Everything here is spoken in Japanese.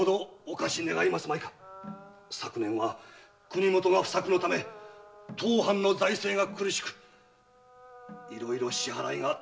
昨年は国もとが不作のため当藩の財政が苦しくいろいろ支払いが滞っておりましてな。